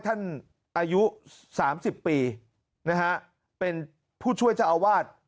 อายุ๓๐ปีนะฮะเป็นผู้ช่วยเจ้าอาวาส